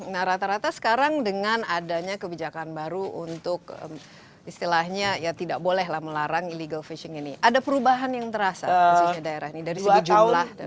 nah rata rata sekarang dengan adanya kebijakan baru untuk istilahnya ya tidak bolehlah melarang illegal fishing ini ada perubahan yang terasa khususnya daerah ini dari segi jumlah